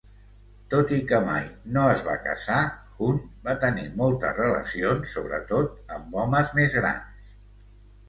Tot i que mai no es va casar, Hunt va tenir moltes relacions, sobretot amb homes més grans.